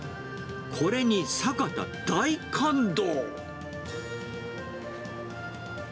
これに坂田、大感動。